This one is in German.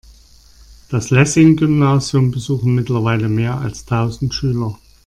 Das Lessing-Gymnasium besuchen mittlerweile mehr als tausend Schüler.